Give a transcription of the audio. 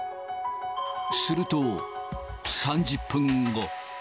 すると、３０分後。